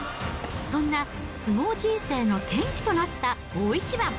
そんな、相撲人生の転機となった大一番。